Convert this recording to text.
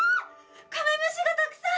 カメムシがたくさん！